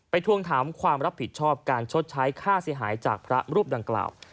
ทวงถามความรับผิดชอบการชดใช้ค่าเสียหายจากพระรูปดังกล่าว